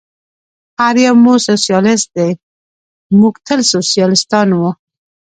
هر یو مو سوسیالیست دی، موږ تل سوسیالیستان و.